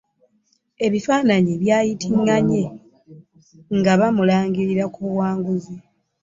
Ebifaananyi byayitiŋŋanye nga bamulangirira ku buwanguzi.